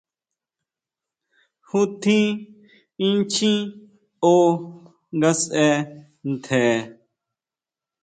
¿Ju tjín inchjín ó nga sʼe ntje?